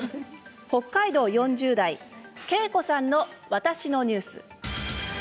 北海道４０代の方けいこさんの「わたしのニュース」。